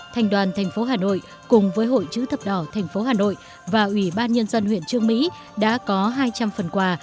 thành đoàn thành phố hà nội cùng với hội chữ thập đỏ tp hà nội và ủy ban nhân dân huyện trương mỹ đã có hai trăm linh phần quà